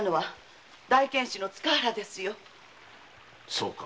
そうか。